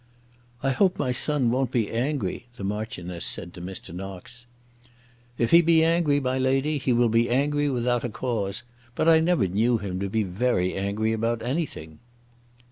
"I hope my son won't be angry," the Marchioness said to Mr. Knox. "If he be angry, my lady, he will be angry without a cause. But I never knew him to be very angry about anything."